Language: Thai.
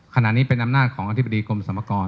ขณะนี้เป็นอำนาจของอธิบดีกรมสรรพากร